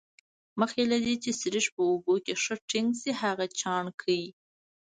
مخکې له دې چې سريښ په اوبو کې ښه ټینګ شي هغه چاڼ کړئ.